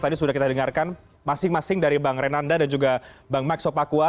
tadi sudah kita dengarkan masing masing dari bang renanda dan juga bang max sopakua